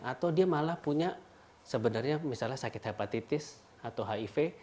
atau dia malah punya sebenarnya misalnya sakit hepatitis atau hiv